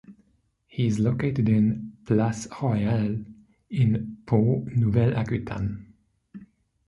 He is located in place Royale, in Pau, Nouvelle-Aquitaine.